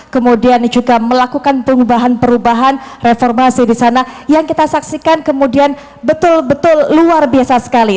kemudian juga melakukan perubahan perubahan reformasi di sana yang kita saksikan kemudian betul betul luar biasa sekali